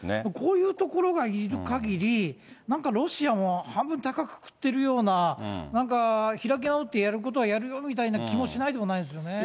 こういうところがいるかぎり、なんかロシアも半分たかくくってるような、なんか開き直って、やることはやるよみたいな気もしないでもないですよね。